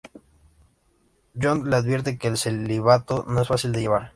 John le advierte que el celibato no es fácil de llevar.